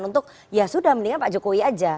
untuk ya sudah mendingan pak jokowi aja